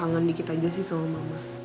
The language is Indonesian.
nangis sedikit aja sih sama mama